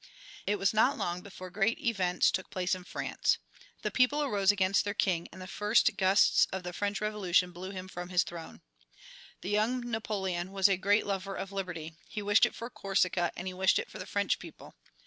It was not long before great events took place in France. The people arose against their king and the first gusts of the French Revolution blew him from his throne. The young Napoleon was a great lover of liberty; he wished it for Corsica and he wished it for the French people.